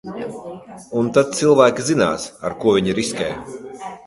Un tad cilvēki zinās, ar ko viņi riskē.